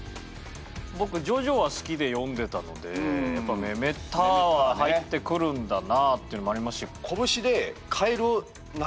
僕「ジョジョ」は好きで読んでたのでやっぱ「メメタァ」は入ってくるんだなあっていうのもありますし。